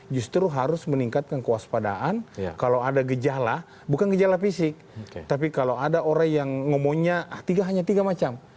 justru harus meningkatkan kewaspadaan kalau ada gejala bukan gejala fisik tapi kalau ada orang yang ngomongnya tiga hanya tiga macam